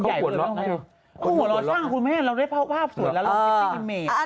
หัวเราช่างคุณแม่เราได้ภาพสวยแล้วเราก็สิ้นเมษ